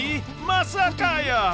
まさかやー！